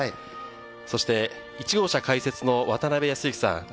そして１号車解説の渡辺康幸さん。